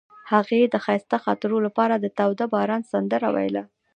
هغې د ښایسته خاطرو لپاره د تاوده باران سندره ویله.